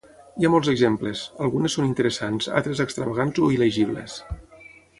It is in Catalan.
Hi ha molts exemples: algunes són interessants, altres extravagants o il·legibles.